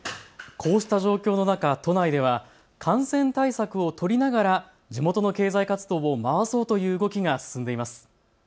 こうした状況の中、都内では感染対策を取りながら地元の経済活動を回そうという動きが進んでいます。